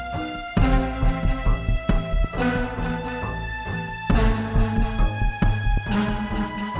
siap pa dulu tidak tuh